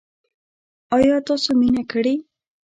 ایا تاسو مینه کړې؟